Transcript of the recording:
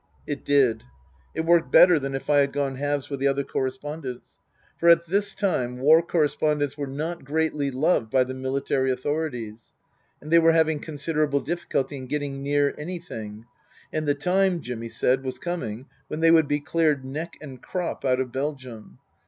It did. It worked better than if I had gone halves with the other correspondents. For at this time war correspondents were not greatly loved by the military authorities, and they were having considerable difficulty in getting near anything, and the time, Jimmy said, was coming when they would be cleared neck and crop out of Belgium.